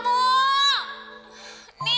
kamu udah nangis